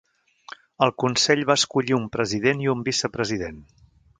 El consell va escollir un president i un vicepresident.